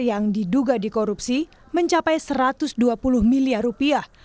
yang diduga dikorupsi mencapai satu ratus dua puluh miliar rupiah